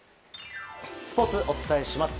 スポーツお伝えします。